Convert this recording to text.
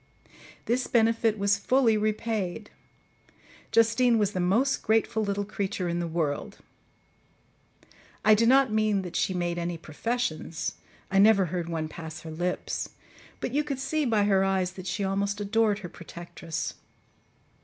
This benefit was fully repaid; Justine was the most grateful little creature in the world: I do not mean that she made any professions I never heard one pass her lips, but you could see by her eyes that she almost adored her protectress.